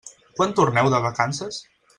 Quan torneu de vacances?